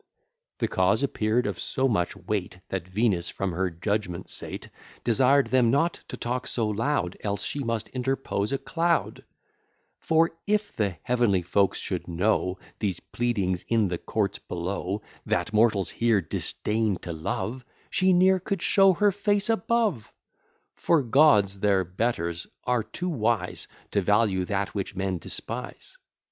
The cause appear'd of so much weight, That Venus, from her judgment seat, Desired them not to talk so loud, Else she must interpose a cloud: For if the heavenly folks should know These pleadings in the courts below, That mortals here disdain to love, She ne'er could show her face above; For gods, their betters, are too wise To value that which men despise.